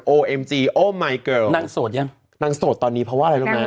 โอมายเกิร์ล